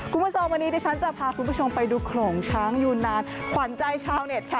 คุณผู้ชมวันนี้ดิฉันจะพาคุณผู้ชมไปดูโขลงช้างยูนานขวัญใจชาวเน็ตค่ะ